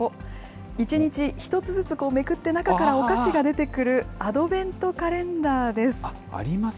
１日１つずつめくって、中からお菓子が出てくるアドベントカレンダーです。